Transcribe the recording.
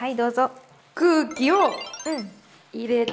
空気を入れて。